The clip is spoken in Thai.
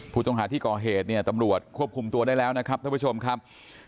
ผู้ต้องหาที่ก่อเหตุเนี่ยตำรวจควบคุมตัวได้แล้วนะครับท่านผู้ชมครับ